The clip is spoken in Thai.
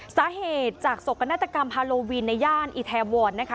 สาเหตุจากโศกนาฏกรรมฮาโลวินในย่านอีแทวอนนะคะ